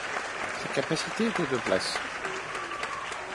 Sa capacité était de places.